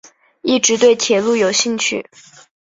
一直对铁路有兴趣。